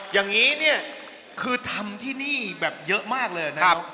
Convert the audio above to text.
อย่างนี้เนี่ยคือทำที่นี่แบบเยอะมากเลยนะครับ